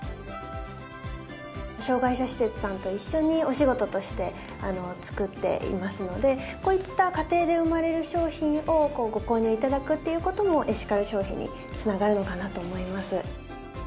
障害者施設さんと一緒にお仕事として作っていますのでこういった過程で生まれる商品をご購入頂くっていう事もエシカル消費に繋がるのかなと思います。